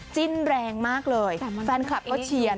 จิ้นแรงมากเลยแฟนคลับก็เชียร์